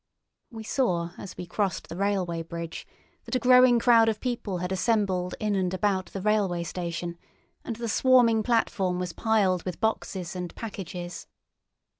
We saw as we crossed the railway bridge that a growing crowd of people had assembled in and about the railway station, and the swarming platform was piled with boxes and packages.